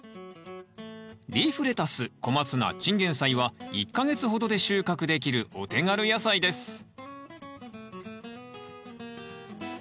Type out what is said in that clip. リーフレタスコマツナチンゲンサイは１か月ほどで収穫できるお手軽野菜です